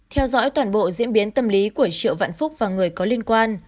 theo dõi toàn bộ diễn biến tâm lý của triệu vạn phúc và người có liên quan